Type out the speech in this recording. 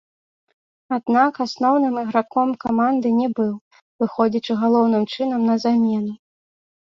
Аднак асноўным іграком каманды не быў, выходзячы галоўным чынам на замену.